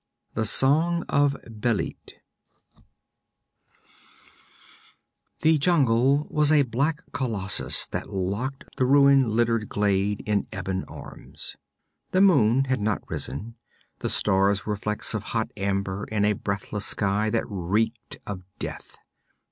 _ THE SONG OF BÊLIT The jungle was a black colossus that locked the ruin littered glade in ebon arms. The moon had not risen; the stars were flecks of hot amber in a breathless sky that reeked of death.